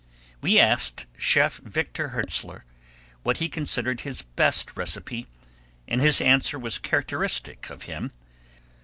We asked Chef Victor Hertzler what he considered his best recipe and his answer was characteristic of him.